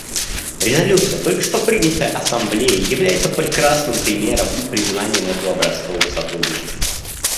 Резолюция, только что принятая Ассамблеей, является прекрасным примером и признанием этого образцового сотрудничества.